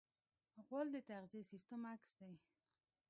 غول د تغذیې سیستم عکس دی.